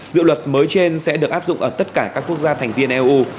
dự luật mới trên sẽ được áp dụng ở tất cả các quốc gia thành viên eu